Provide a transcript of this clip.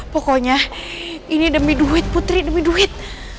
pokoknya ini demi duit putri demi duit